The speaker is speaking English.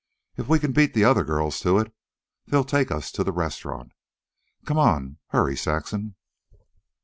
If we can beat the other girls to it, they'll take us to the restaurant. Come on, hurry, Saxon."